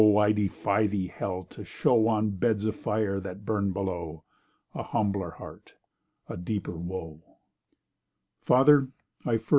I defy thee, Hell, to show On beds of fire that burn below, A humbler heart—a deeper woe.